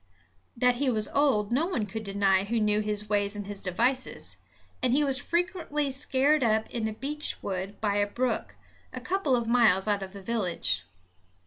That he was old no one could deny who knew his ways and his devices; and he was frequently scared up in a beech wood by a brook, a couple of miles out of the village.